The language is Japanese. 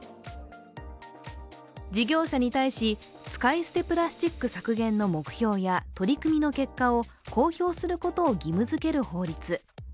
事業者に対し、使い捨てプラスチック削減の目標や取り組みの結果を公表することを義務付ける法律。